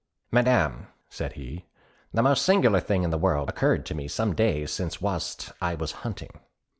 "Madam," said he, "the most singular thing in the world occurred to me some days since whilst I was hunting.